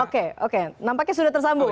oke oke nampaknya sudah tersambung ya